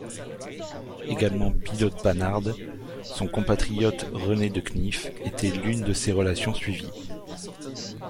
Également pilote Panhard, son compatriote René de Knyff était l'une de ses relations suivies.